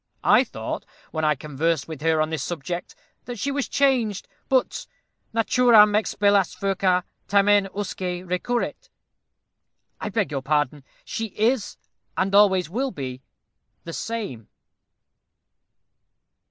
I thought, when I conversed with her on this subject, that she was changed, but Naturam expellas furcâ, tamen usque recurret. I beg your pardon. She is, and always will be, the same."